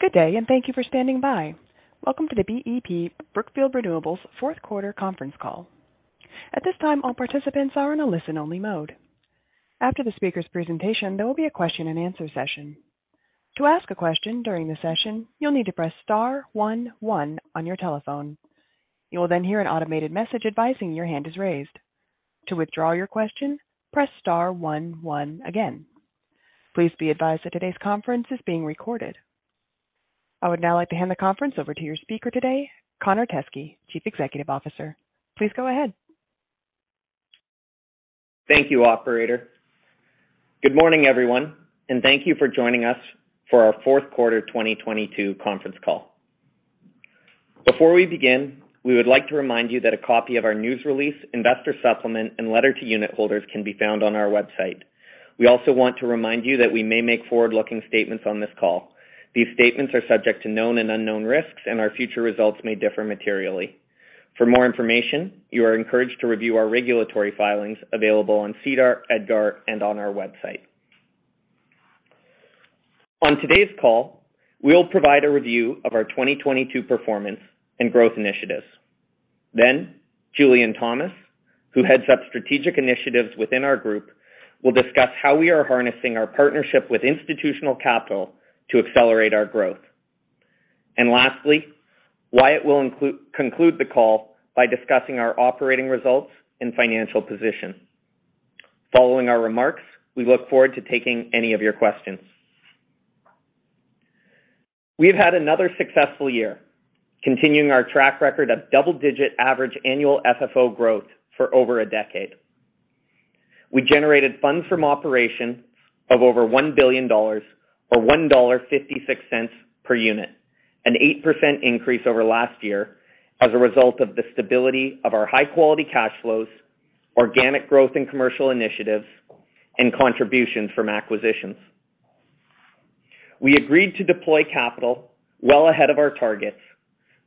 Good day, and thank you for standing by. Welcome to the BEP Brookfield Renewable fourth quarter conference call. At this time, all participants are in a listen-only mode. After the speaker's presentation, there will be a question-and-answer session. To ask a question during the session, you'll need to press star one one on your telephone. You will then hear an automated message advising your hand is raised. To withdraw your question, press star one one again. Please be advised that today's conference is being recorded. I would now like to hand the conference over to your speaker today, Connor Teskey, Chief Executive Officer. Please go ahead. Thank you, operator. Good morning, everyone, and thank you for joining us for our fourth-quarter 2022 conference call. Before we begin, we would like to remind you that a copy of our news release, investor supplement, and letter to unit holders can be found on our website. We also want to remind you that we may make forward-looking statements on this call. These statements are subject to known and unknown risks, and our future results may differ materially. For more information, you are encouraged to review our regulatory filings available on SEDAR, EDGAR, and on our website. On today's call, we'll provide a review of our 2022 performance and growth initiatives. Julian Thomas, who heads up strategic initiatives within our group, will discuss how we are harnessing our partnership with Institutional Capital to accelerate our growth. Lastly, Wyatt will conclude the call by discussing our operating results and financial position. Following our remarks, we look forward to taking any of your questions. We've had another successful year, continuing our track record of double-digit average annual FFO growth for over a decade. We generated funds from operation of over $1 billion or $1.56 per unit, an 8% increase over last year as a result of the stability of our high-quality cash flows, organic growth in commercial initiatives, and contributions from acquisitions. We agreed to deploy capital well ahead of our targets,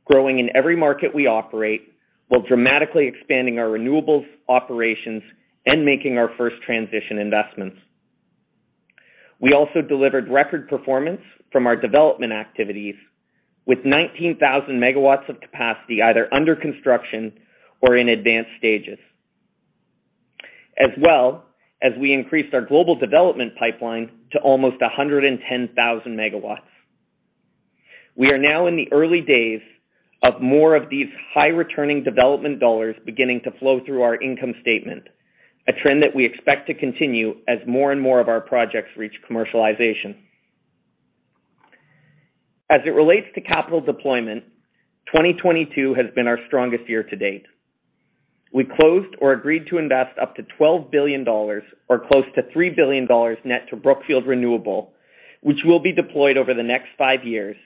growing in every market we operate while dramatically expanding our renewables operations and making our first transition investments. We also delivered record performance from our development activities with 19,000 megawatts of capacity either under construction or in advanced stages, as well as we increased our global development pipeline to almost 110,000 megawatts. We are now in the early days of more of these high-returning development dollars beginning to flow through our income statement, a trend that we expect to continue as more and more of our projects reach commercialization. As it relates to capital deployment, 2022 has been our strongest year to date. We closed or agreed to invest up to $12 billion or close to $3 billion net to Brookfield Renewable, which will be deployed over the next five years.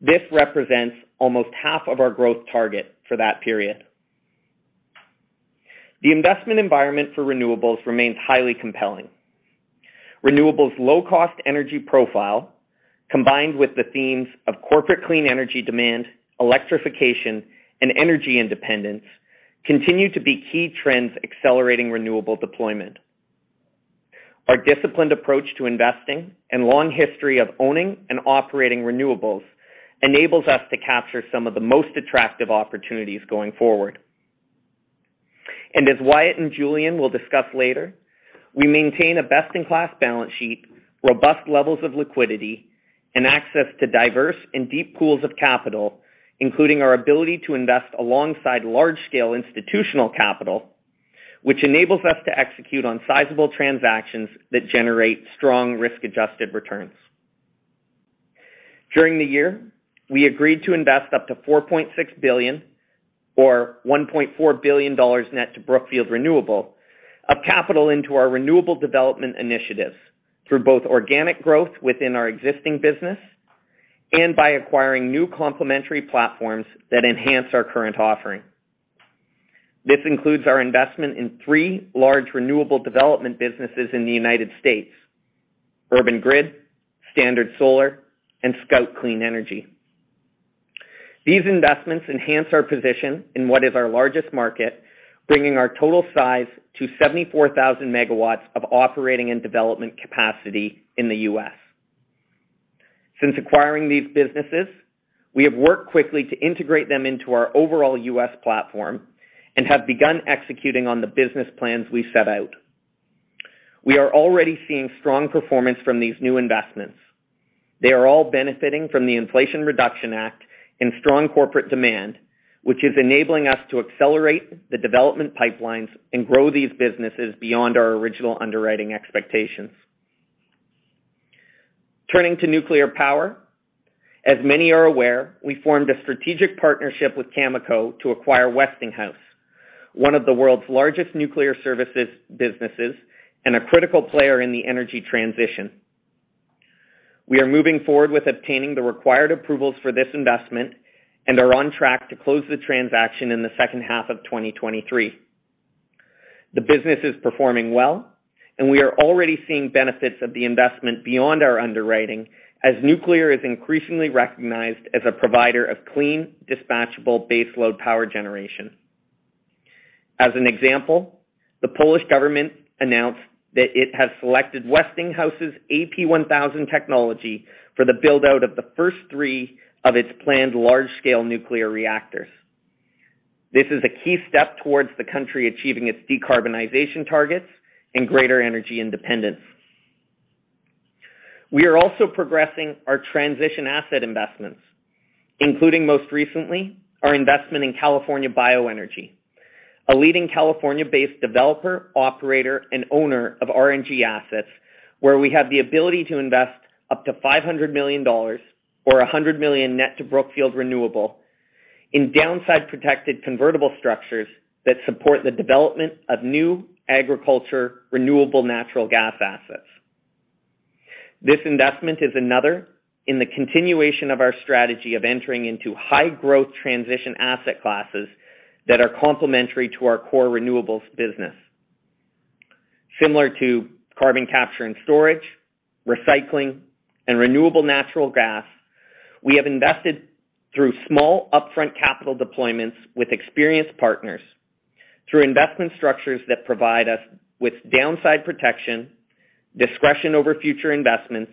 This represents almost half of our growth target for that period. The investment environment for renewables remains highly compelling. Renewables' low-cost energy profile, combined with the themes of corporate clean energy demand, electrification, and energy independence, continue to be key trends accelerating renewable deployment. Our disciplined approach to investing and long history of owning and operating renewables enables us to capture some of the most attractive opportunities going forward. As Wyatt and Julian will discuss later, we maintain a best-in-class balance sheet, robust levels of liquidity, and access to diverse and deep pools of capital, including our ability to invest alongside large-scale institutional capital, which enables us to execute on sizable transactions that generate strong risk-adjusted returns. During the year, we agreed to invest up to $4.6 billion or $1.4 billion net to Brookfield Renewable of capital into our renewable development initiatives through both organic growth within our existing business and by acquiring new complementary platforms that enhance our current offering. This includes our investment in three large renewable development businesses in the U.S.: Urban Grid, Standard Solar, and Scout Clean Energy. These investments enhance our position in what is our largest market, bringing our total size to 74,000 megawatts of operating and development capacity in the U.S. Since acquiring these businesses, we have worked quickly to integrate them into our overall U.S. platform and have begun executing on the business plans we set out. We are already seeing strong performance from these new investments. They are all benefiting from the Inflation Reduction Act and strong corporate demand, which is enabling us to accelerate the development pipelines and grow these businesses beyond our original underwriting expectations. Turning to nuclear power, as many are aware, we formed a strategic partnership with Cameco to acquire Westinghouse, one of the world's largest nuclear services businesses and a critical player in the energy transition. We are moving forward with obtaining the required approvals for this investment and are on track to close the transaction in the second half of 2023. The business is performing well, and we are already seeing benefits of the investment beyond our underwriting as nuclear is increasingly recognized as a provider of clean, dispatchable baseload power generation. As an example, the Polish government announced that it has selected Westinghouse's AP1000 technology for the build-out of the first three of its planned large-scale nuclear reactors. This is a key step towards the country achieving its decarbonization targets and greater energy independence. We are also progressing our transition asset investments, including most recently our investment in California Bioenergy, a leading California-based developer, operator, and owner of RNG assets, where we have the ability to invest up to $500 million or $100 million net to Brookfield Renewable in downside-protected convertible structures that support the development of new agriculture renewable natural gas assets. This investment is another in the continuation of our strategy of entering into high-growth transition asset classes that are complementary to our core renewables business. Similar to carbon capture and storage, recycling, and renewable natural gas, we have invested through small upfront capital deployments with experienced partners through investment structures that provide us with downside protection, discretion over future investments,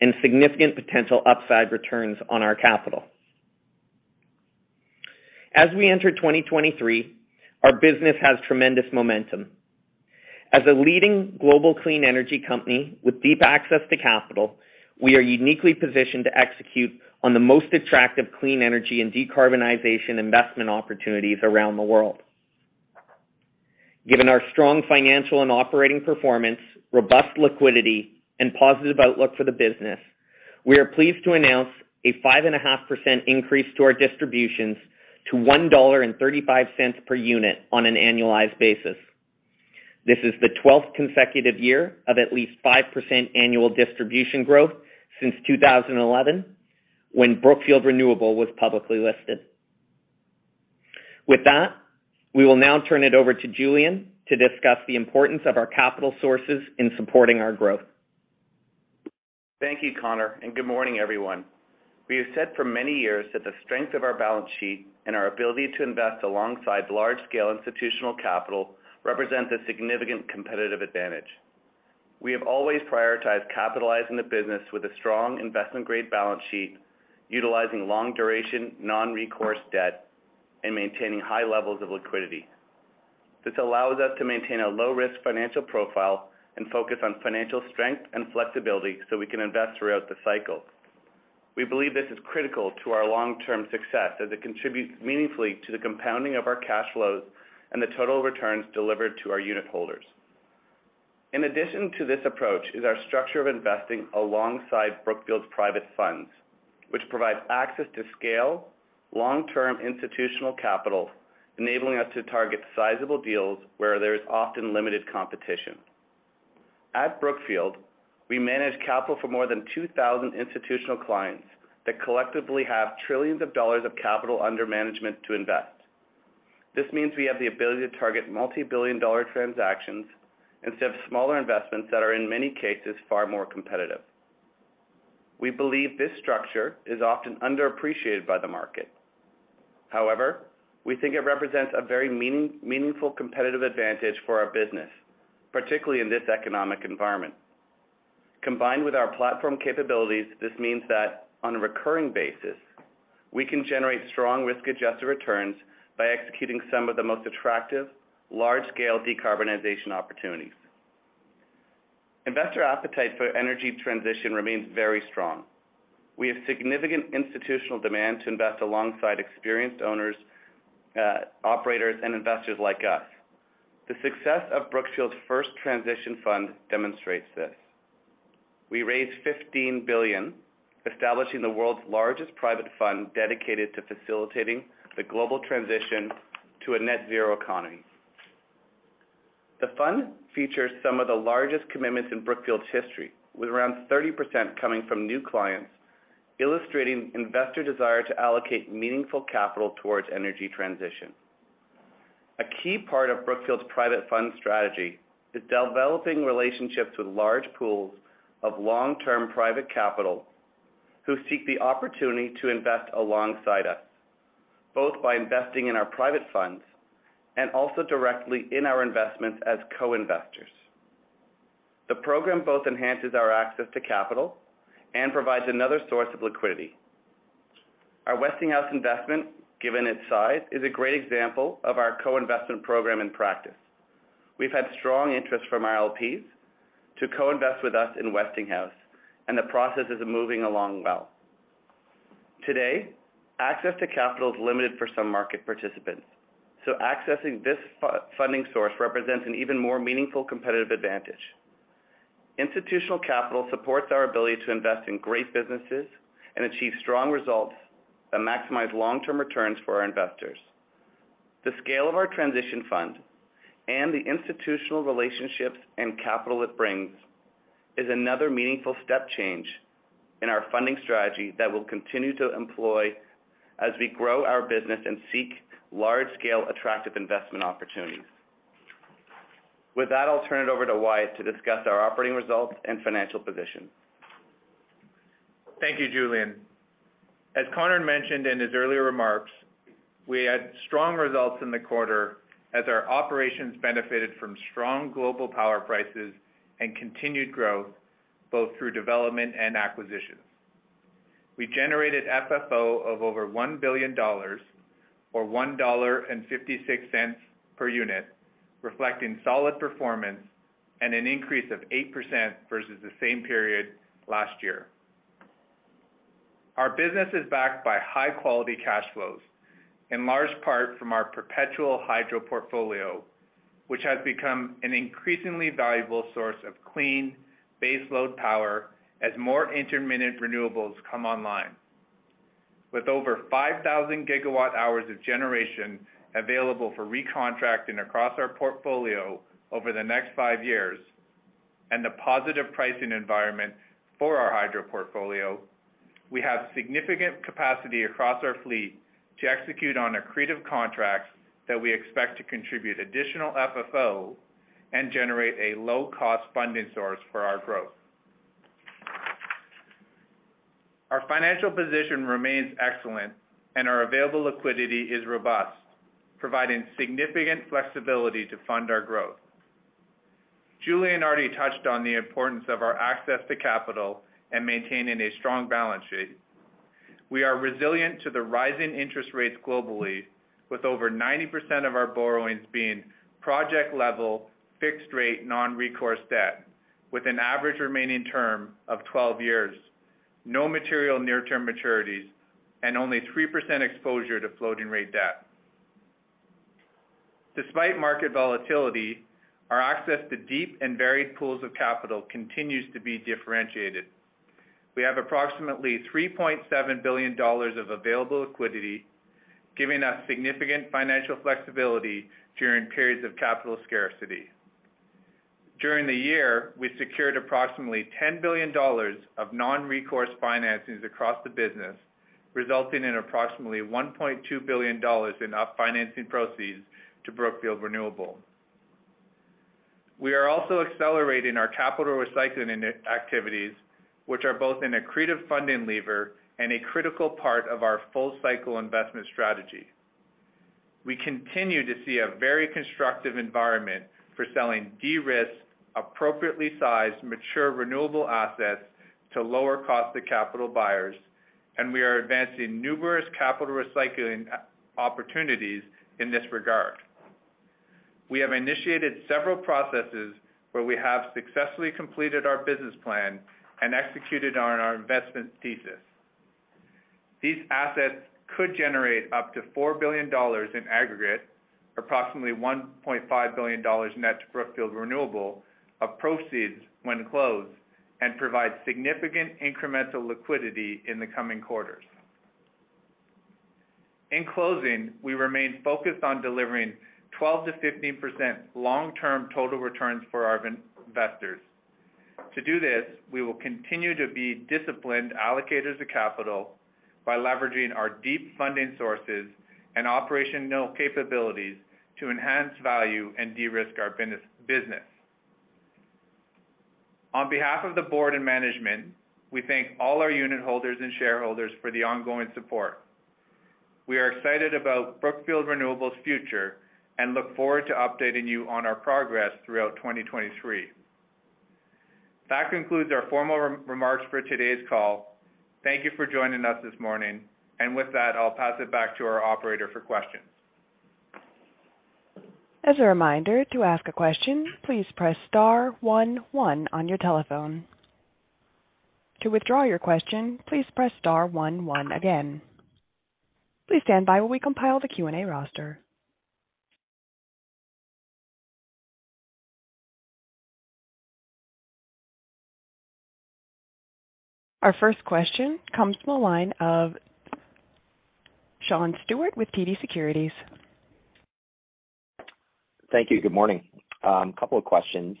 and significant potential upside returns on our capital. As we enter 2023, our business has tremendous momentum. As a leading global clean energy company with deep access to capital, we are uniquely positioned to execute on the most attractive clean energy and decarbonization investment opportunities around the world. Given our strong financial and operating performance, robust liquidity, and positive outlook for the business, we are pleased to announce a 5.5% increase to our distributions to $1.35 per unit on an annualized basis. This is the 12th consecutive year of at least 5% annual distribution growth since 2011 when Brookfield Renewable was publicly listed. With that, we will now turn it over to Julian to discuss the importance of our capital sources in supporting our growth. Thank you, Connor. Good morning, everyone. We have said for many years that the strength of our balance sheet and our ability to invest alongside large-scale institutional capital represents a significant competitive advantage. We have always prioritized capitalizing the business with a strong investment-grade balance sheet, utilizing long-duration, non-recourse debt and maintaining high levels of liquidity. This allows us to maintain a low-risk financial profile and focus on financial strength and flexibility so we can invest throughout the cycle. We believe this is critical to our long-term success as it contributes meaningfully to the compounding of our cash flows and the total returns delivered to our unitholders. In addition to this approach is our structure of investing alongside Brookfield's private funds, which provides access to scale, long-term institutional capital, enabling us to target sizable deals where there is often limited competition. At Brookfield, we manage capital for more than 2,000 institutional clients that collectively have trillions of dollars of capital under management to invest. This means we have the ability to target multi-billion dollar transactions instead of smaller investments that are, in many cases, far more competitive. We believe this structure is often underappreciated by the market. We think it represents a very meaningful competitive advantage for our business, particularly in this economic environment. Combined with our platform capabilities, this means that on a recurring basis, we can generate strong risk-adjusted returns by executing some of the most attractive large-scale decarbonization opportunities. Investor appetite for energy transition remains very strong. We have significant institutional demand to invest alongside experienced owners, operators, and investors like us. The success of Brookfield's first transition fund demonstrates this. We raised $15 billion, establishing the world's largest private fund dedicated to facilitating the global transition to a net zero economy. The fund features some of the largest commitments in Brookfield's history, with around 30% coming from new clients, illustrating investor desire to allocate meaningful capital towards energy transition. A key part of Brookfield's private fund strategy is developing relationships with large pools of long-term private capital who seek the opportunity to invest alongside us, both by investing in our private funds and also directly in our investments as co-investors. The program both enhances our access to capital and provides another source of liquidity. Our Westinghouse investment, given its size, is a great example of our co-investment program in practice. We've had strong interest from our LPs to co-invest with us in Westinghouse, and the process is moving along well. Today, access to capital is limited for some market participants. Accessing this funding source represents an even more meaningful competitive advantage. Institutional capital supports our ability to invest in great businesses and achieve strong results that maximize long-term returns for our investors. The scale of our transition fund and the institutional relationships and capital it brings is another meaningful step change in our funding strategy that we'll continue to employ as we grow our business and seek large-scale, attractive investment opportunities. With that, I'll turn it over to Wyatt to discuss our operating results and financial position. Thank you, Julian. As Conor mentioned in his earlier remarks, we had strong results in the quarter as our operations benefited from strong global power prices and continued growth both through development and acquisitions. We generated FFO of over $1 billion or $1.56 per unit, reflecting solid performance and an increase of 8% versus the same period last year. Our business is backed by high-quality cash flows, in large part from our perpetual hydro portfolio, which has become an increasingly valuable source of clean baseload power as more intermittent renewables come online. With over 5,000 gigawatt-hours of generation available for recontracting across our portfolio over the next 5 years and the positive pricing environment for our hydro portfolio, we have significant capacity across our fleet to execute on accretive contracts that we expect to contribute additional FFO and generate a low-cost funding source for our growth. Our financial position remains excellent, and our available liquidity is robust, providing significant flexibility to fund our growth. Julian already touched on the importance of our access to capital and maintaining a strong balance sheet. We are resilient to the rising interest rates globally, with over 90% of our borrowings being project-level, fixed-rate, non-recourse debt, with an average remaining term of 12 years, no material near-term maturities, and only 3% exposure to floating-rate debt. Despite market volatility, our access to deep and varied pools of capital continues to be differentiated. We have approximately $3.7 billion of available liquidity, giving us significant financial flexibility during periods of capital scarcity. During the year, we secured approximately $10 billion of non-recourse financings across the business, resulting in approximately $1.2 billion in up financing proceeds to Brookfield Renewable. We are also accelerating our capital recycling activities, which are both an accretive funding lever and a critical part of our full-cycle investment strategy. We continue to see a very constructive environment for selling de-risked, appropriately sized, mature renewable assets to lower cost of capital buyers, and we are advancing numerous capital recycling opportunities in this regard. We have initiated several processes where we have successfully completed our business plan and executed on our investment thesis. These assets could generate up to $4 billion in aggregate, approximately $1.5 billion net to Brookfield Renewable of proceeds when closed and provide significant incremental liquidity in the coming quarters. In closing, we remain focused on delivering 12%-15% long-term total returns for our investors. To do this, we will continue to be disciplined allocators of capital by leveraging our deep funding sources and operational capabilities to enhance value and de-risk our business. On behalf of the board and management, we thank all our unitholders and shareholders for the ongoing support. We are excited about Brookfield Renewable's future and look forward to updating you on our progress throughout 2023. That concludes our formal re-remarks for today's call. Thank you for joining us this morning. With that, I'll pass it back to our operator for questions. As a reminder, to ask a question, please press star one one on your telephone. To withdraw your question, please press star one one again. Please stand by while we compile the Q&A roster. Our first question comes from the line of Sean Stewart with TD Securities. Thank you. Good morning. Couple of questions.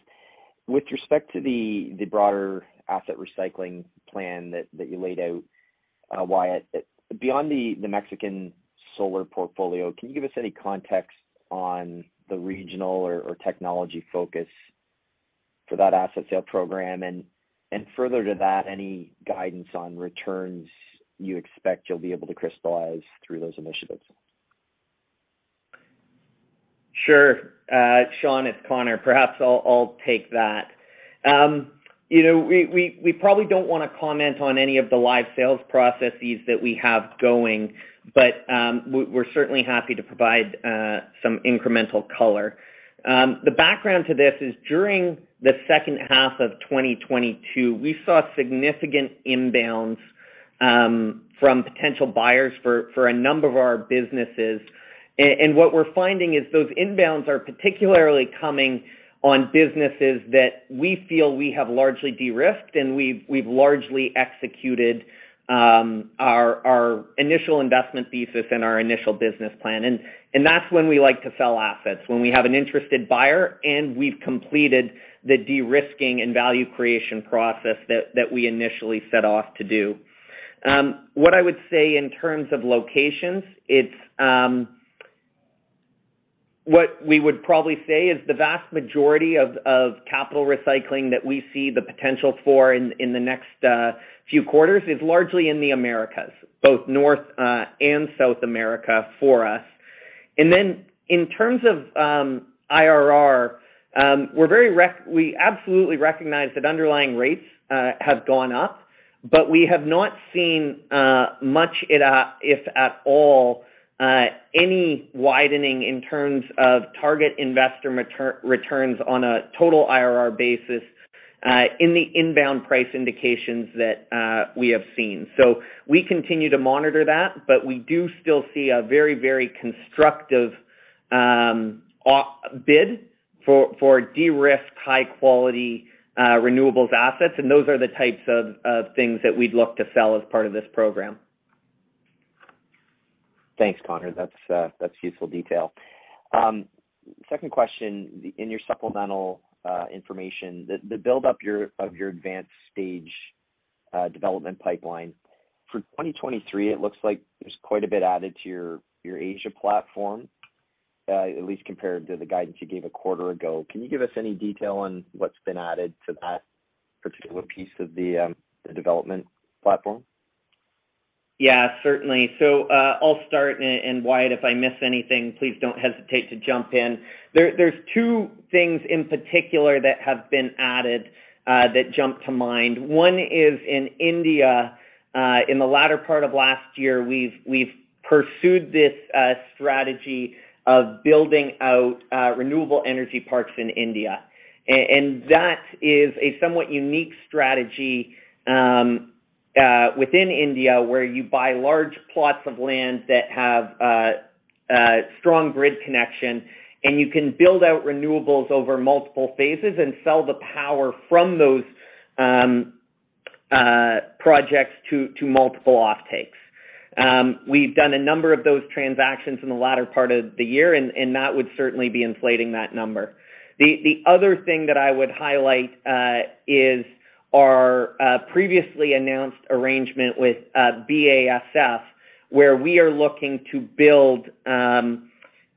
With respect to the broader asset recycling plan that you laid out, Wyatt. Beyond the Mexican solar portfolio, can you give us any context on the regional or technology focus for that asset sale program? Further to that, any guidance on returns you expect you'll be able to crystallize through those initiatives? Sure. Sean, it's Connor. Perhaps I'll take that. you know, we probably don't wanna comment on any of the live sales processes that we have going, but we're certainly happy to provide some incremental color. The background to this is during the second half of 2022, we saw significant inbounds from potential buyers for a number of our businesses. what we're finding is those inbounds are particularly coming on businesses that we feel we have largely de-risked, and we've largely executed our initial investment thesis and our initial business plan. that's when we like to sell assets, when we have an interested buyer, and we've completed the de-risking and value creation process that we initially set off to do. What I would say in terms of locations, What we would probably say is the vast majority of capital recycling that we see the potential for in the next few quarters is largely in the Americas, both North and South America for us. In terms of IRR, we absolutely recognize that underlying rates have gone up, but we have not seen much it, if at all, any widening in terms of target investor returns on a total IRR basis in the inbound price indications that we have seen. We continue to monitor that, but we do still see a very, very constructive bid for de-risked, high-quality renewables assets, and those are the types of things that we'd look to sell as part of this program. Thanks, Connor. That's useful detail. Second question, in your supplemental information, the build up of your advanced stage development pipeline. For 2023, it looks like there's quite a bit added to your Asia platform, at least compared to the guidance you gave a quarter ago. Can you give us any detail on what's been added to that particular piece of the development platform? Yeah, certainly. I'll start and Wyatt, if I miss anything, please don't hesitate to jump in. There's two things in particular that have been added that jump to mind. One is in India, in the latter part of last year, we've pursued this strategy of building out renewable energy parks in India. That is a somewhat unique strategy within India, where you buy large plots of land that have strong grid connection, and you can build out renewables over multiple phases and sell the power from those projects to multiple off-takes. We've done a number of those transactions in the latter part of the year, and that would certainly be inflating that number. The other thing that I would highlight is our previously announced arrangement with BASF, where we are looking to build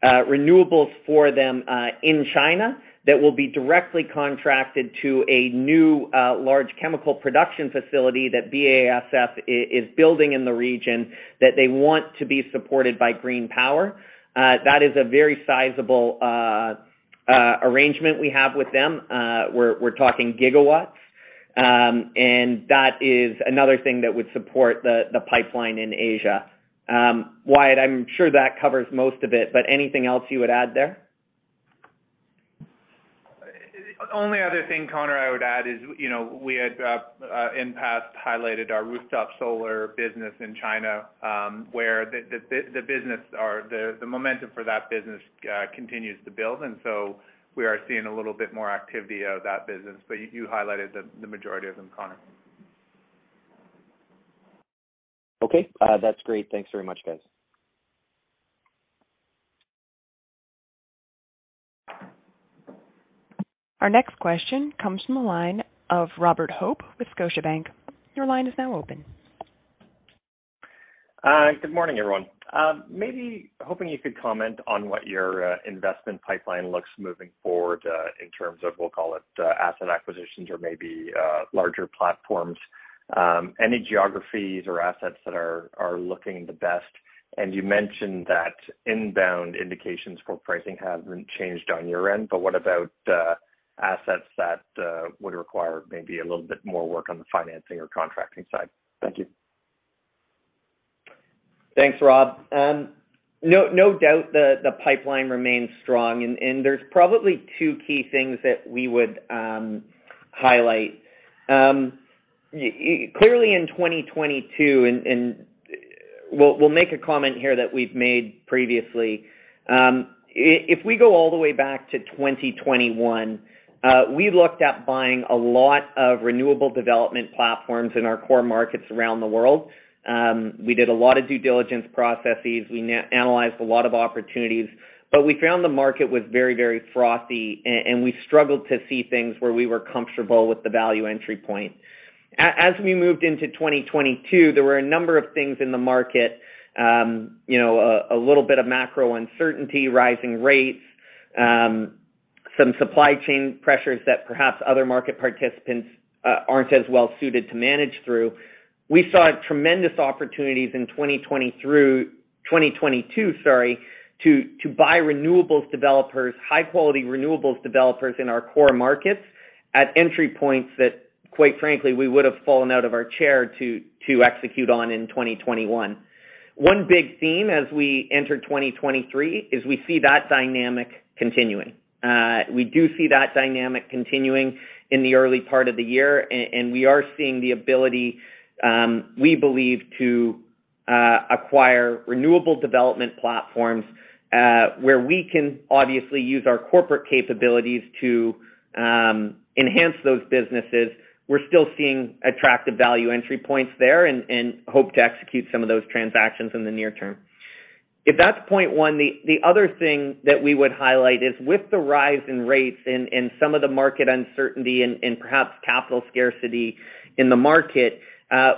renewables for them in China that will be directly contracted to a new large chemical production facility that BASF is building in the region that they want to be supported by green power. That is a very sizable arrangement we have with them. We're talking gigawatts. That is another thing that would support the pipeline in Asia. Wyatt, I'm sure that covers most of it, but anything else you would add there? Only other thing, Connor, I would add is, you know, we had in past highlighted our rooftop solar business in China, where the business or the momentum for that business continues to build. We are seeing a little bit more activity out of that business. You highlighted the majority of them, Connor. Okay. That's great. Thanks very much, guys. Our next question comes from the line of Robert Hope with Scotiabank. Your line is now open. Good morning, everyone. Maybe hoping you could comment on what your investment pipeline looks moving forward, in terms of, we'll call it, asset acquisitions or maybe, larger platforms. Any geographies or assets that are looking the best? You mentioned that inbound indications for pricing haven't changed on your end, but what about, assets that, would require maybe a little bit more work on the financing or contracting side? Thank you. Thanks, Rob. No doubt the pipeline remains strong. There's probably two key things that we would highlight. Clearly in 2022, and we'll make a comment here that we've made previously. If we go all the way back to 2021, we looked at buying a lot of renewable development platforms in our core markets around the world. We did a lot of due diligence processes. We analyzed a lot of opportunities. We found the market was very frothy and we struggled to see things where we were comfortable with the value entry point. As we moved into 2022, there were a number of things in the market, you know, a little bit of macro uncertainty, rising rates, some supply chain pressures that perhaps other market participants aren't as well suited to manage through. We saw tremendous opportunities in 2022, sorry, to buy renewables developers, high quality renewables developers in our core markets at entry points that quite frankly, we would have fallen out of our chair to execute on in 2021. One big theme as we enter 2023 is we see that dynamic continuing. We do see that dynamic continuing in the early part of the year. We are seeing the ability, we believe, to acquire renewable development platforms, where we can obviously use our corporate capabilities to enhance those businesses. We're still seeing attractive value entry points there and hope to execute some of those transactions in the near term. If that's point 1, the other thing that we would highlight is with the rise in rates and some of the market uncertainty and perhaps capital scarcity in the market,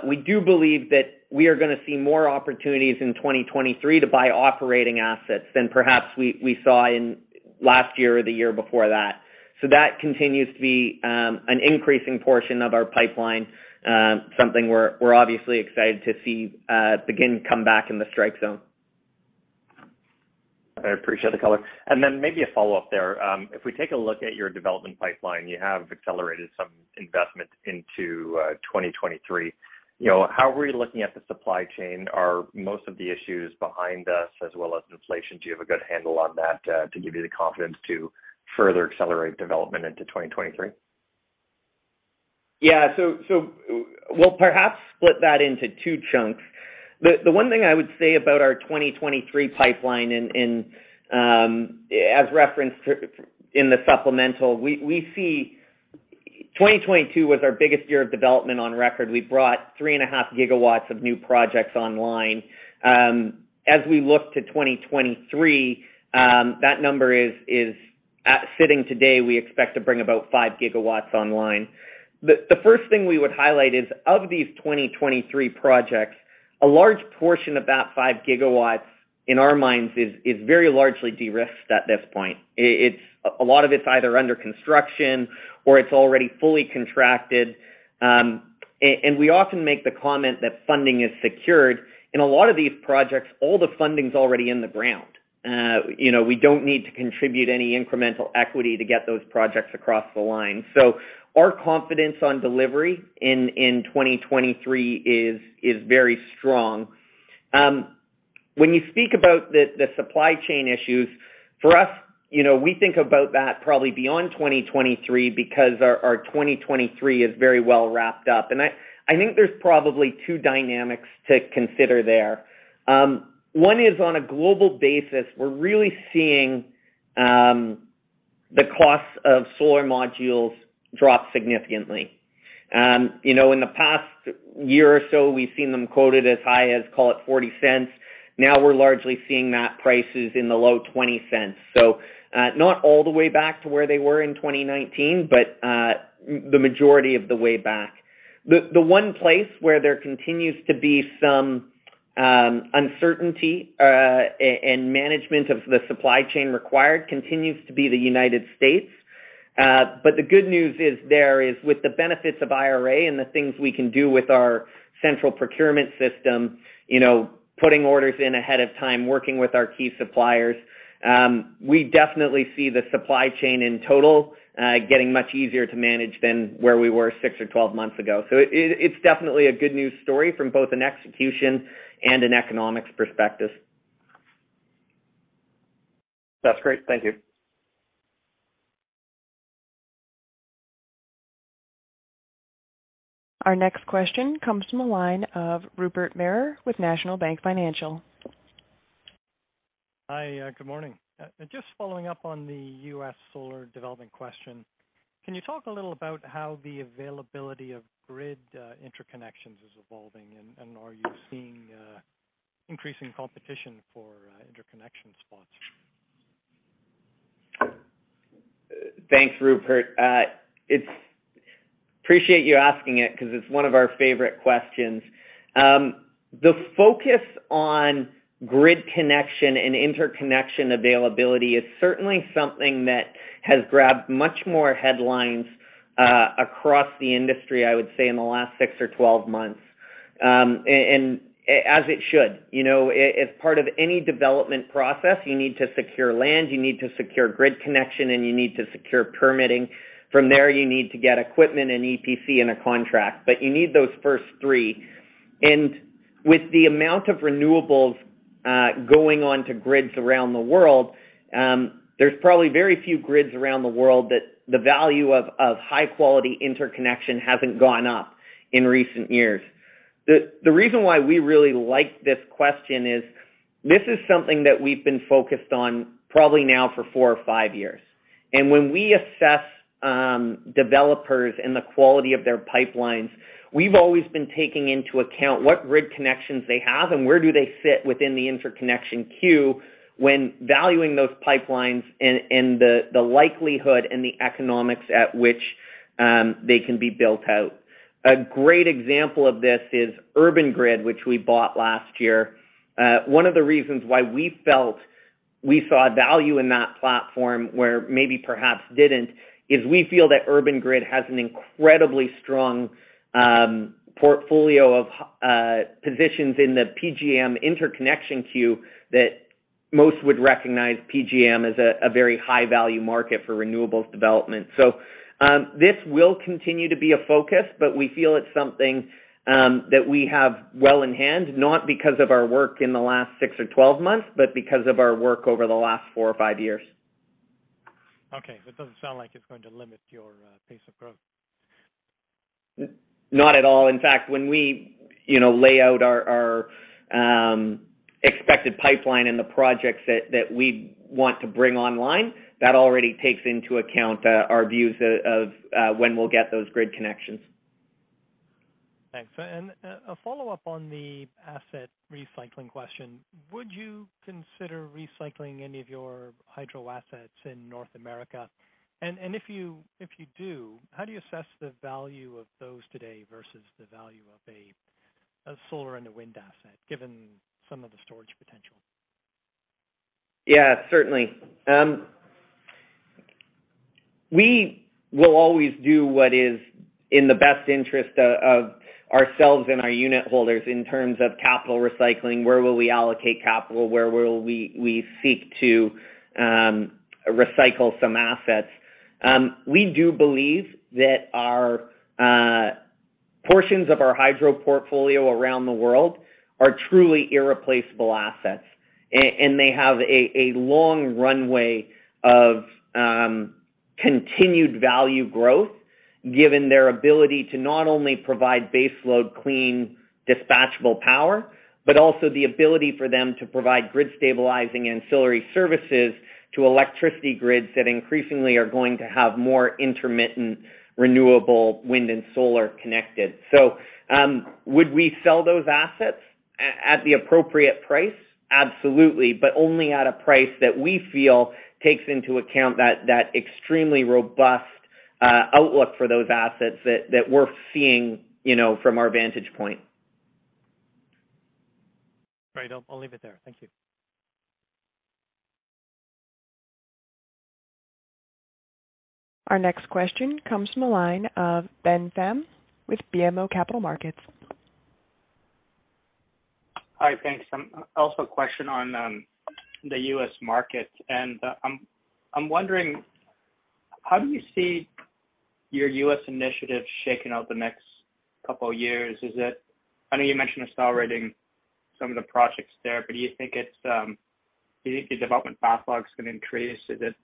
we do believe that we are gonna see more opportunities in 2023 to buy operating assets than perhaps we saw in last year or the year before that. That continues to be an increasing portion of our pipeline, something we're obviously excited to see begin to come back in the strike zone. I appreciate the color. Then maybe a follow-up there. If we take a look at your development pipeline, you have accelerated some investment into 2023. You know, how are we looking at the supply chain? Are most of the issues behind us as well as inflation? Do you have a good handle on that to give you the confidence to further accelerate development into 2023? We'll perhaps split that into two chunks. The one thing I would say about our 2023 pipeline as referenced in the supplemental. 2022 was our biggest year of development on record. We brought 3.5 GW of new projects online. As we look to 2023, that number sitting today, we expect to bring about 5 GW online. The first thing we would highlight is of these 2023 projects, a large portion of that 5 GW, in our minds, is very largely de-risked at this point. A lot of it's either under construction or it's already fully contracted. We often make the comment that funding is secured. In a lot of these projects, all the funding's already in the ground. You know, we don't need to contribute any incremental equity to get those projects across the line. Our confidence on delivery in 2023 is very strong. When you speak about the supply chain issues, for us, you know, we think about that probably beyond 2023 because our 2023 is very well wrapped up. I think there's probably 2 dynamics to consider there. One is on a global basis, we're really seeing the costs of solar modules drop significantly. You know, in the past year or so, we've seen them quoted as high as, call it $0.40. Now we're largely seeing that prices in the low $0.20. Not all the way back to where they were in 2019, but the majority of the way back. The one place where there continues to be some uncertainty and management of the supply chain required continues to be the United States. The good news is there is with the benefits of IRA and the things we can do with our central procurement system, you know, putting orders in ahead of time, working with our key suppliers, we definitely see the supply chain in total getting much easier to manage than where we were 6 or 12 months ago. It's definitely a good news story from both an execution and an economics perspective. That's great. Thank you. Our next question comes from the line of Rupert Merer with National Bank Financial. Hi. Good morning. Just following up on the US solar development question, can you talk a little about how the availability of grid interconnections is evolving? Are you seeing increasing competition for interconnection spots? Thanks, Rupert. Appreciate you asking it because it's one of our favorite questions. The focus on grid connection and interconnection availability is certainly something that has grabbed much more headlines across the industry, I would say, in the last 6 or 12 months, and as it should. You know, as part of any development process, you need to secure land, you need to secure grid connection, and you need to secure permitting. From there, you need to get equipment and EPC in a contract. You need those first three. With the amount of renewables going on to grids around the world, there's probably very few grids around the world that the value of high-quality interconnection hasn't gone up in recent years. The reason why we really like this question is this is something that we've been focused on probably now for 4 or 5 years. When we assess developers and the quality of their pipelines, we've always been taking into account what grid connections they have and where do they fit within the interconnection queue when valuing those pipelines and the likelihood and the economics at which they can be built out. A great example of this is Urban Grid, which we bought last year. One of the reasons why we felt we saw value in that platform where maybe perhaps didn't, is we feel that Urban Grid has an incredibly strong portfolio of positions in the PJM interconnection queue that most would recognize PJM as a very high-value market for renewables development. This will continue to be a focus, but we feel it's something that we have well in hand, not because of our work in the last 6 or 12 months, but because of our work over the last 4 or 5 years. It doesn't sound like it's going to limit your pace of growth. Not at all. In fact, when we, you know, lay out our expected pipeline and the projects that we want to bring online, that already takes into account our views of when we'll get those grid connections. Thanks. A follow-up on the asset recycling question. Would you consider recycling any of your hydro assets in North America? And if you do, how do you assess the value of those today versus the value of a... A solar and a wind asset, given some of the storage potential. Yeah, certainly. We will always do what is in the best interest of ourselves and our unit holders in terms of capital recycling, where will we allocate capital, where will we seek to recycle some assets. We do believe that our portions of our hydro portfolio around the world are truly irreplaceable assets and they have a long runway of continued value growth, given their ability to not only provide baseload clean dispatchable power, but also the ability for them to provide grid stabilizing ancillary services to electricity grids that increasingly are going to have more intermittent, renewable wind and solar connected. Would we sell those assets at the appropriate price? Absolutely, but only at a price that we feel takes into account that extremely robust outlook for those assets that we're seeing, you know, from our vantage point. Great. I'll leave it there. Thank you. Our next question comes from the line of Ben Pham with BMO Capital Markets. Hi, thanks. Also a question on the U.S. market. I'm wondering how do you see your U.S. initiative shaking out the next couple of years? Is it I know you mentioned accelerating some of the projects there, but do you think it's do you think the development backlog is gonna increase? Is it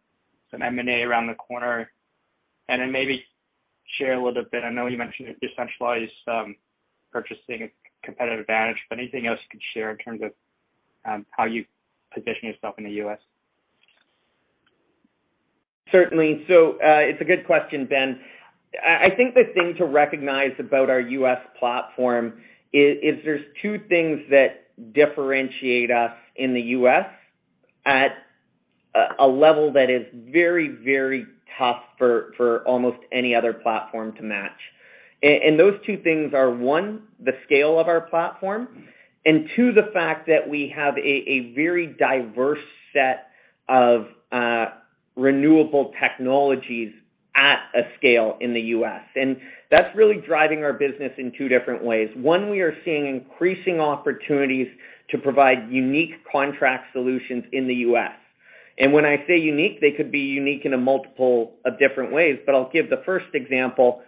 some M&A around the corner? Maybe share a little bit, I know you mentioned a decentralized purchasing competitive advantage, but anything else you could share in terms of how you position yourself in the U.S. Certainly. It's a good question, Ben. I think the thing to recognize about our U.S. platform is there's two things that differentiate us in the U.S. at a level that is very, very tough for almost any other platform to match. And those two things are, one, the scale of our platform, and two, the fact that we have a very diverse set of renewable technologies at a scale in the U.S. That's really driving our business in two different ways. One, we are seeing increasing opportunities to provide unique contract solutions in the U.S. When I say unique, they could be unique in a multiple of different ways, but I'll give the first example.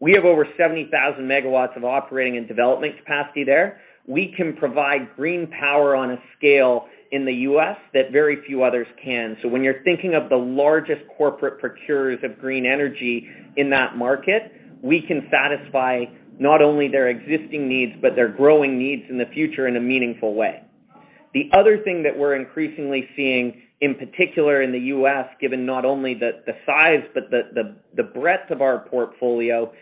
We have over 70,000 MW of operating and development capacity there. We can provide green power on a scale in the U.S. that very few others can. When you're thinking of the largest corporate procurers of green energy in that market, we can satisfy not only their existing needs, but their growing needs in the future in a meaningful way. The other thing that we're increasingly seeing, in particular in the U.S., given not only the size, but the breadth of our portfolio,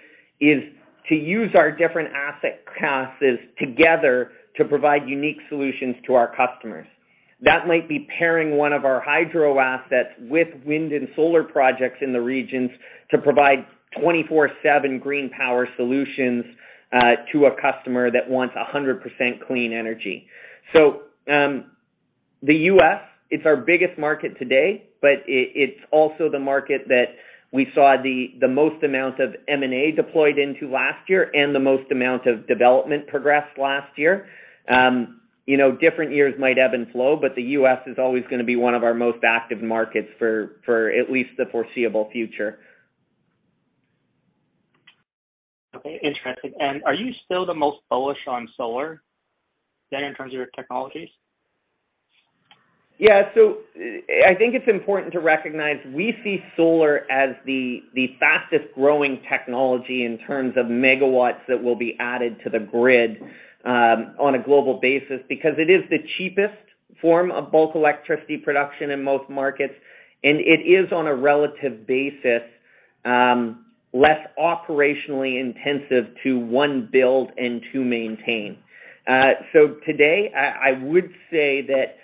is to use our different asset classes together to provide unique solutions to our customers. That might be pairing one of our hydro assets with wind and solar projects in the regions to provide 24/7 green power solutions to a customer that wants 100% clean energy. The U.S., it's our biggest market today, but it's also the market that we saw the most amount of M&A deployed into last year and the most amount of development progressed last year. You know, different years might ebb and flow, but the U.S. is always going to be one of our most active markets for at least the foreseeable future. Okay, interesting. Are you still the most bullish on solar then in terms of your technologies? I think it's important to recognize, we see solar as the fastest-growing technology in terms of MW that will be added to the grid on a global basis because it is the cheapest form of bulk electricity production in most markets, and it is on a relative basis less operationally intensive to, one, build, and two, maintain. Today, I would say that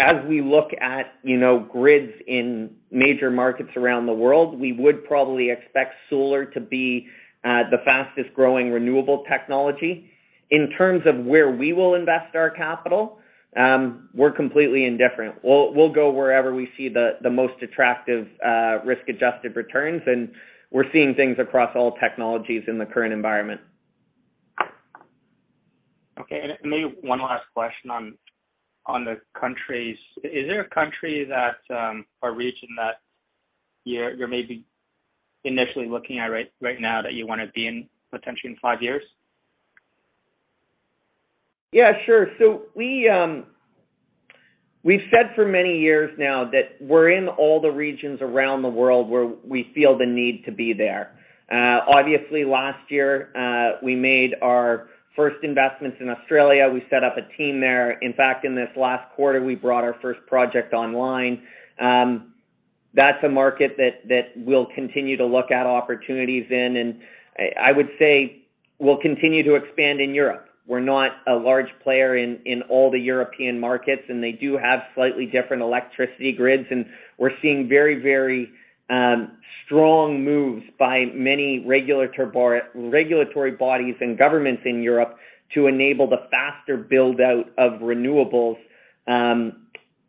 as we look at, you know, grids in major markets around the world, we would probably expect solar to be the fastest-growing renewable technology. In terms of where we will invest our capital, we're completely indifferent. We'll go wherever we see the most attractive risk-adjusted returns, and we're seeing things across all technologies in the current environment. Okay. Maybe one last question on the countries. Is there a country that, or region that you're maybe initially looking at right now that you wanna be in potentially in five years? Yeah, sure. We've said for many years now that we're in all the regions around the world where we feel the need to be there. Obviously last year, we made our first investments in Australia. We set up a team there. In fact, in this last quarter, we brought our first project online. That's a market that we'll continue to look at opportunities in. I would say we'll continue to expand in Europe. We're not a large player in all the European markets, and they do have slightly different electricity grids, and we're seeing very, very strong moves by many regulatory bodies and governments in Europe to enable the faster build-out of renewables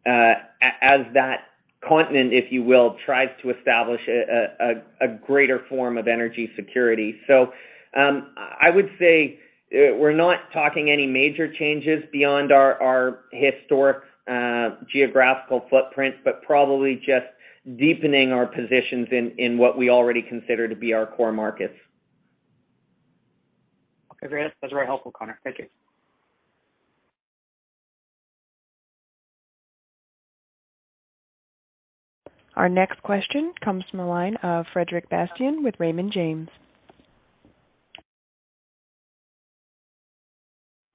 as that continent, if you will, tries to establish a greater form of energy security. I would say, we're not talking any major changes beyond our historic, geographical footprint, but probably just deepening our positions in what we already consider to be our core markets. Okay, great. That's very helpful, Connor. Thank you. Our next question comes from the line of Frederic Bastien with Raymond James.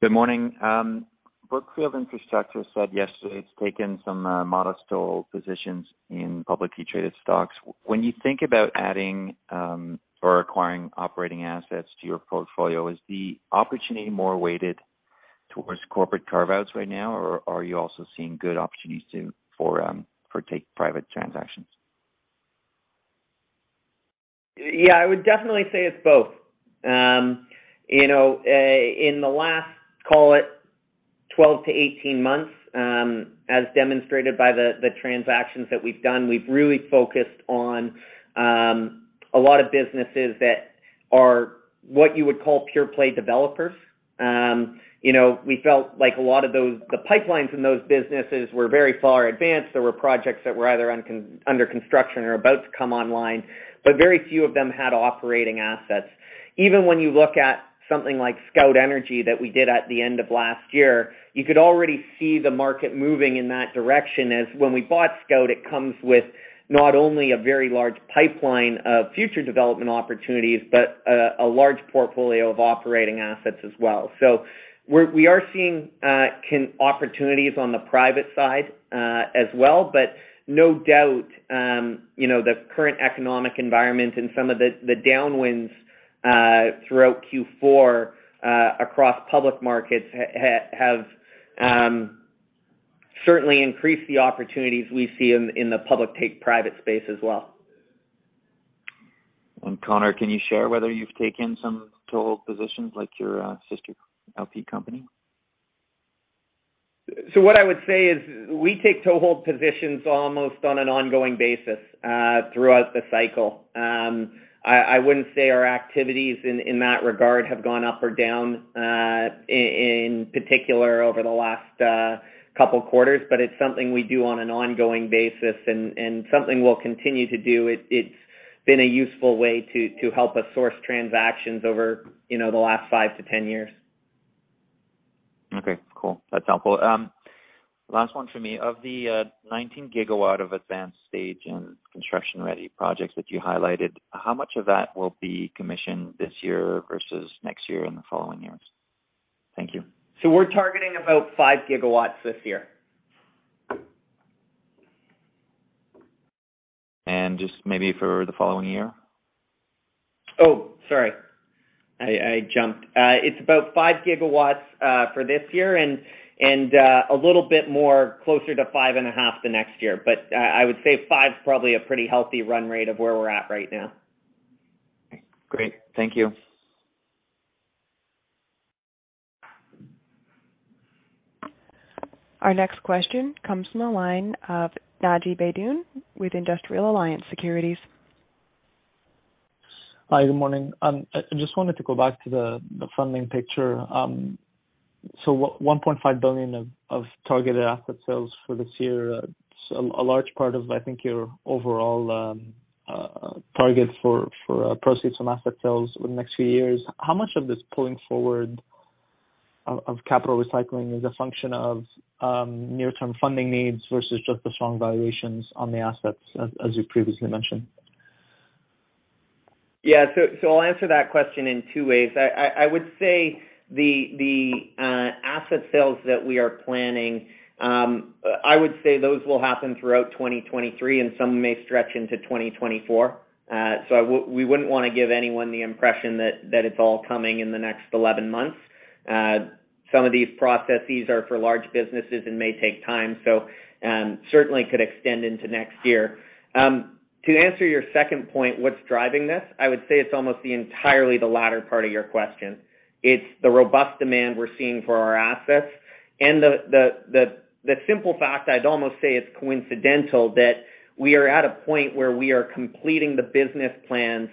Good morning. Brookfield Infrastructure said yesterday it's taken some modest toehold positions in publicly traded stocks. When you think about adding or acquiring operating assets to your portfolio, is the opportunity more weighted towards corporate carve-outs right now, or are you also seeing good opportunities for take-private transactions? Yeah, I would definitely say it's both. You know, in the last, call it, 12-18 months, as demonstrated by the transactions that we've done, we've really focused on a lot of businesses that are what you would call pure-play developers. You know, we felt like a lot of the pipelines in those businesses were very far advanced. There were projects that were either under construction or about to come online, but very few of them had operating assets. Even when you look at something like Scout Energy that we did at the end of last year, you could already see the market moving in that direction. As when we bought Scout, it comes with not only a very large pipeline of future development opportunities, but a large portfolio of operating assets as well. We are seeing opportunities on the private side, as well, but no doubt, you know, the current economic environment and some of the downwinds throughout Q4 across public markets have certainly increased the opportunities we see in the public take private space as well. Connor, can you share whether you've taken some toehold positions like your sister LP company? What I would say is we take toehold positions almost on an ongoing basis throughout the cycle. I wouldn't say our activities in that regard have gone up or down in particular over the last couple quarters, but it's something we do on an ongoing basis and something we'll continue to do. It's been a useful way to help us source transactions over, you know, the last 5-10 years. Okay, cool. That's helpful. Last one for me. Of the 19 GW of advanced stage and construction-ready projects that you highlighted, how much of that will be commissioned this year versus next year and the following years? Thank you. We're targeting about 5 GW this year. Just maybe for the following year. Oh, sorry. I jumped. It's about 5 GW, for this year and a little bit more closer to 5 and a half the next year. I would say 5 is probably a pretty healthy run rate of where we're at right now. Great. Thank you. Our next question comes from the line of Naji Baydoun with Industrial Alliance Securities. Hi, good morning. I just wanted to go back to the funding picture. $1.5 billion of targeted asset sales for this year, a large part of, I think, your overall target for proceeds from asset sales over the next few years. How much of this pulling forward of capital recycling is a function of near-term funding needs versus just the strong valuations on the assets, as you previously mentioned? I'll answer that question in two ways. I would say the asset sales that we are planning, I would say those will happen throughout 2023, and some may stretch into 2024. We wouldn't wanna give anyone the impression that it's all coming in the next 11 months. Some of these processes are for large businesses and may take time, so, certainly could extend into next year. To answer your second point, what's driving this? I would say it's almost the entirely the latter part of your question. It's the robust demand we're seeing for our assets and the simple fact, I'd almost say it's coincidental, that we are at a point where we are completing the business plans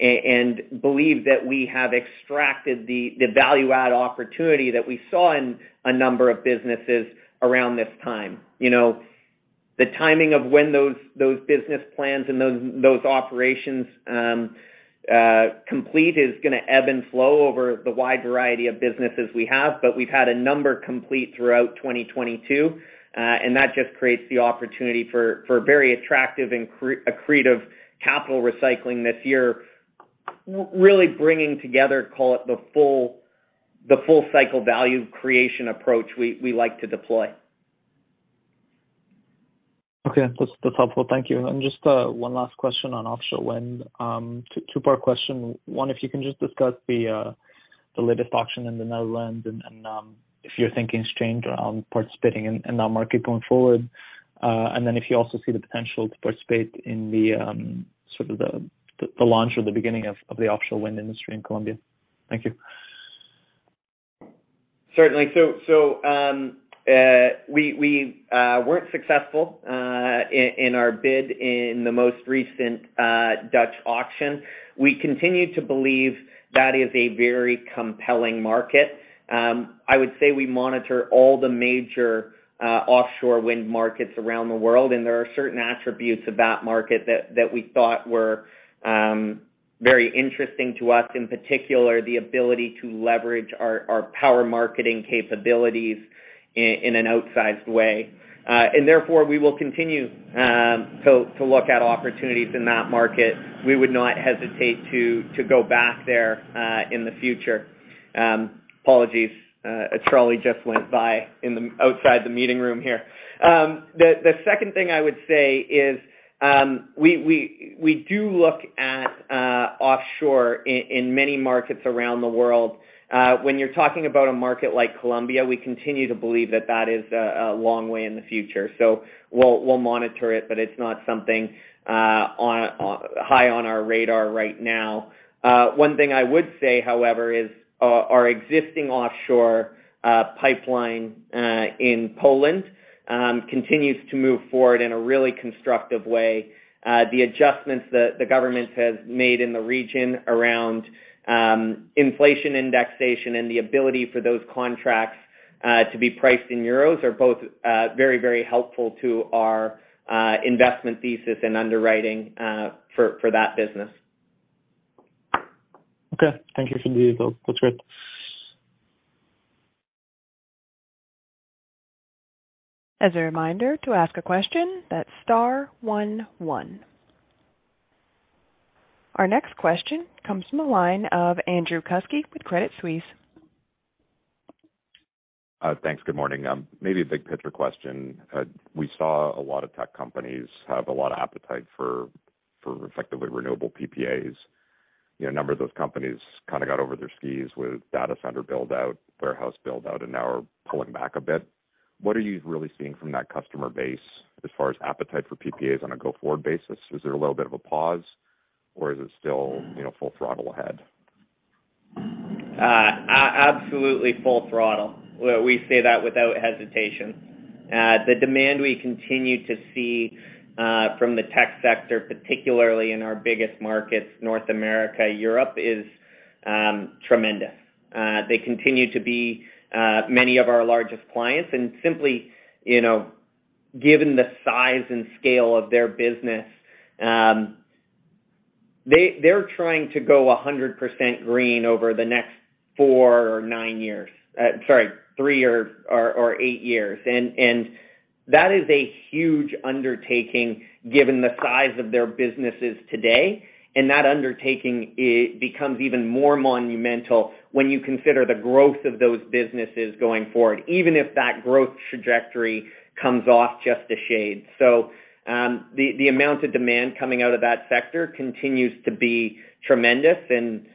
and believe that we have extracted the value add opportunity that we saw in a number of businesses around this time. You know, the timing of when those business plans and those operations complete is gonna ebb and flow over the wide variety of businesses we have. We've had a number complete throughout 2022, and that just creates the opportunity for very attractive and accretive capital recycling this year, really bringing together, call it, the full cycle value creation approach we like to deploy. Okay. That's helpful. Thank you. Just one last question on offshore wind. Two-part question. One, if you can just discuss the latest auction in the Netherlands and if you're thinking to change around participating in that market going forward. If you also see the potential to participate in the sort of the launch or the beginning of the offshore wind industry in Colombia. Thank you. Certainly. We weren't successful in our bid in the most recent Dutch auction. We continue to believe that is a very compelling market. I would say we monitor all the major offshore wind markets around the world, and there are certain attributes of that market that we thought were very interesting to us, in particular, the ability to leverage our power marketing capabilities in an outsized way. Therefore, we will continue to look at opportunities in that market. We would not hesitate to go back there in the future. Apologies, a trolley just went by outside the meeting room here. The second thing I would say is, we do look at offshore in many markets around the world. When you're talking about a market like Colombia, we continue to believe that that is a long way in the future. We'll monitor it, but it's not something high on our radar right now. One thing I would say, however, is our existing offshore pipeline in Poland continues to move forward in a really constructive way. The adjustments the government has made in the region around inflation indexation and the ability for those contracts to be priced in euros are both very, very helpful to our investment thesis and underwriting for that business. Okay. Thank you for the detail. That's great. As a reminder, to ask a question, that's star 11. Our next question comes from the line of Andrew Kuske with Credit Suisse. Thanks. Good morning. Maybe a big picture question. We saw a lot of tech companies have a lot of appetite for effectively renewable PPAs. You know, a number of those companies kinda got over their skis with data center build-out, warehouse build-out, and now are pulling back a bit. What are you really seeing from that customer base as far as appetite for PPAs on a go-forward basis? Is there a little bit of a pause, or is it still, you know, full throttle ahead? Absolutely full throttle. We say that without hesitation. The demand we continue to see from the tech sector, particularly in our biggest markets, North America, Europe, is tremendous. They continue to be many of our largest clients and simply, you know, given the size and scale of their business, they're trying to go 100% green over the next 4 or 9 years. Sorry, 3 or 8 years. That is a huge undertaking given the size of their businesses today. That undertaking becomes even more monumental when you consider the growth of those businesses going forward, even if that growth trajectory comes off just a shade. The amount of demand coming out of that sector continues to be tremendous and,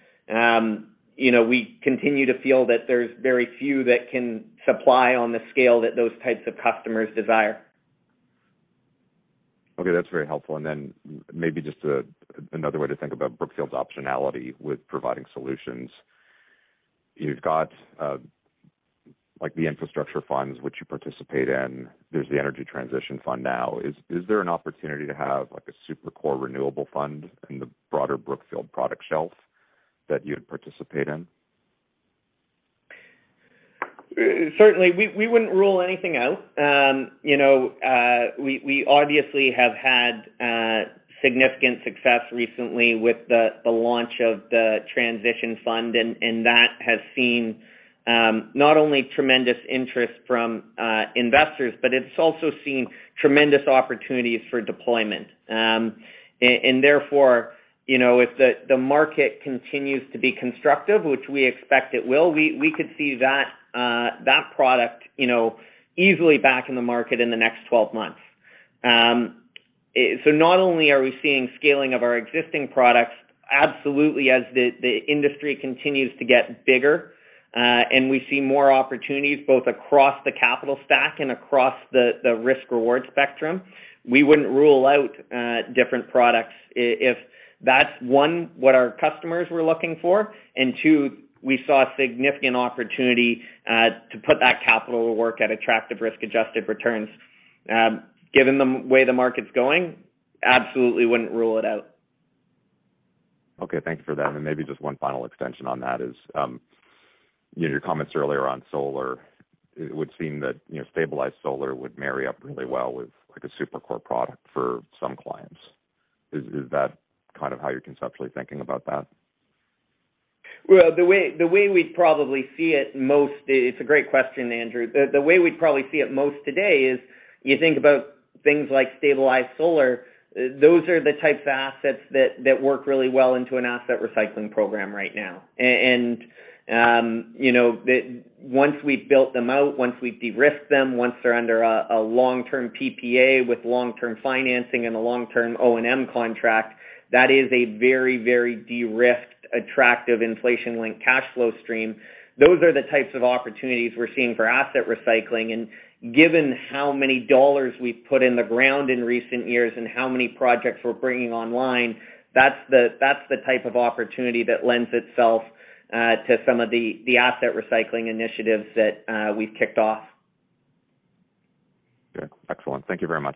you know, we continue to feel that there's very few that can supply on the scale that those types of customers desire. Okay, that's very helpful. Maybe just, another way to think about Brookfield's optionality with providing solutions. You've got, like the infrastructure funds which you participate in. There's the energy transition fund now. Is there an opportunity to have, like, a super core renewable fund in the broader Brookfield product shelf that you'd participate in? Certainly. We wouldn't rule anything out. you know, we obviously have had significant success recently with the launch of the Transition Fund, and that has seen not only tremendous interest from investors, but it's also seen tremendous opportunities for deployment. Therefore, you know, if the market continues to be constructive, which we expect it will, we could see that product, you know, easily back in the market in the next 12 months. Not only are we seeing scaling of our existing products, absolutely as the industry continues to get bigger, and we see more opportunities both across the capital stack and across the risk-reward spectrum. We wouldn't rule out, different products if that's one, what our customers were looking for, and two, we saw significant opportunity, to put that capital to work at attractive risk-adjusted returns. Given the way the market's going, absolutely wouldn't rule it out. Okay. Thanks for that. Maybe just one final extension on that is, you know, your comments earlier on solar, it would seem that, you know, stabilized solar would marry up really well with, like, a Super-Core product for some clients. Is that kind of how you're conceptually thinking about that? Well, the way we'd probably see it most. It's a great question, Andrew. The way we'd probably see it most today is you think about things like stabilized solar, those are the types of assets that work really well into an asset recycling program right now. You know, once we've built them out, once we've de-risked them, once they're under a long-term PPA with long-term financing and a long-term O&M contract, that is a very de-risked, attractive inflation-linked cash flow stream. Those are the types of opportunities we're seeing for asset recycling. Given how many dollars we've put in the ground in recent years and how many projects we're bringing online, that's the type of opportunity that lends itself to some of the asset recycling initiatives that we've kicked off. Okay. Excellent. Thank you very much.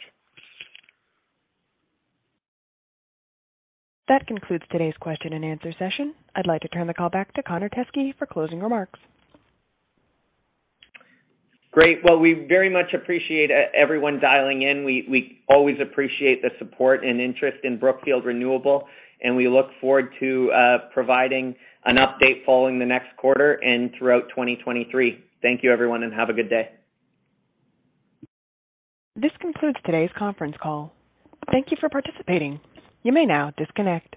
That concludes today's question and answer session. I'd like to turn the call back to Connor Teskey for closing remarks. Great. Well, we very much appreciate everyone dialing in. We always appreciate the support and interest in Brookfield Renewable, and we look forward to providing an update following the next quarter and throughout 2023. Thank you, everyone, and have a good day. This concludes today's conference call. Thank you for participating. You may now disconnect.